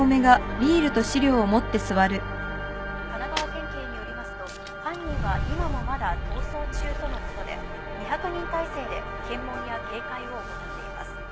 神奈川県警によりますと犯人は今もまだ逃走中とのことで２００人体制で検問や警戒を行っています。